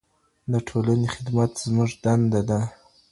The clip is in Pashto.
د ټولنې خدمت زموږ دنده ده.